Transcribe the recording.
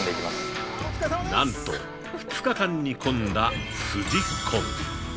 ◆なんと２日間煮込んだ「すじこん」。